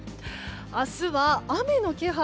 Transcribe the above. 明日は、雨の気配。